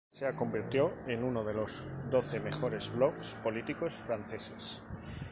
Se ha convirtió en uno de los doce mejores blogs políticos franceses.